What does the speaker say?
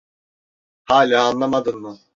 Hâlâ anlamadın mı?